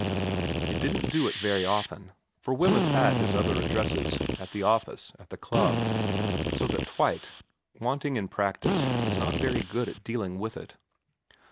It didn't do it very often, for Wemyss had his other VERA 287 addresses, at the office, at the club, so that Twite, wanting in practice, was not very good at dealing with it.